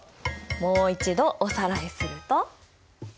もう一度おさらいすると。